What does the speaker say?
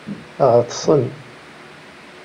Ɛeḍsen.